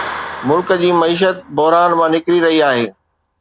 ملڪ جي معيشت بحران مان نڪري رهي آهي